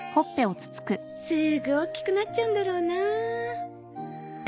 すーぐ大きくなっちゃうんだろうなあ。